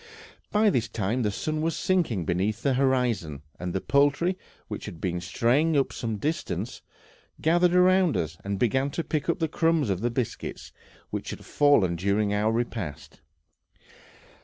By this time the sun was sinking beneath the horizon, and the poultry, which had been straying to some little distance, gathered round us, and began to pick up the crumbs of biscuits which had fallen during our repast.